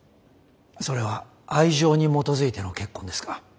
それは愛情に基づいての結婚ですか？